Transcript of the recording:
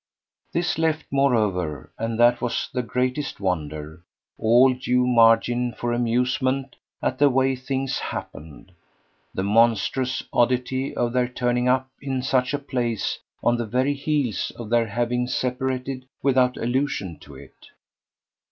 This left moreover and that was the greatest wonder all due margin for amusement at the way things happened, the monstrous oddity of their turning up in such a place on the very heels of their having separated without allusion to it.